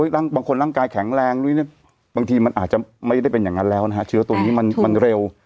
บางคนร่างกายแข็งแรงบางทีมันอาจจะไม่ได้เป็นอย่างนั้นแล้วนะฮะเชื้อตัวนี้มันเร็ว